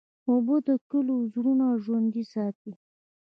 اوبه د کلیو زړونه ژوندی ساتي.